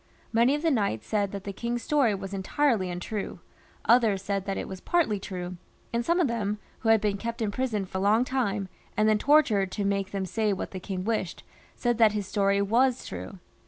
Many of the knights said that the king's story was entirely untrue ; others said that it was partly true, and some of them, who had been kept in prison a long time, and then tortured to make them say what the king wished, said that his story was true.